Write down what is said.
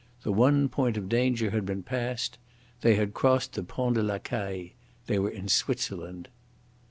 The one point of danger had been passed. They had crossed the Pont de la Caille, they were in Switzerland.